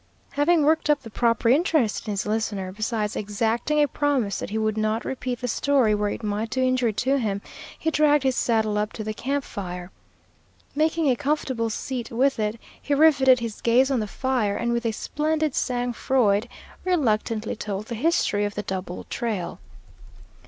Having worked up the proper interest in his listener, besides exacting a promise that he would not repeat the story where it might do injury to him, he dragged his saddle up to the camp fire. Making a comfortable seat with it, he riveted his gaze on the fire, and with a splendid sang froid reluctantly told the history of the double trail.